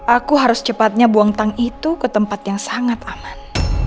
aku harus cepatnya buang tang itu ke tempat yang sangat aman